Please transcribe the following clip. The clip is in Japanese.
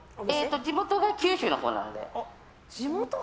地元が九州のほうなので。